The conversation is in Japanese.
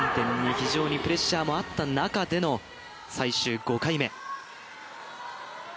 非常にプレッシャーもあった中での５回目。